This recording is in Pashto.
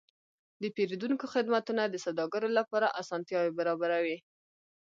د پیرودونکو خدمتونه د سوداګرو لپاره اسانتیاوې برابروي.